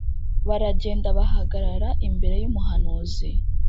baragenda bahagarara imbere y’umuhanuzi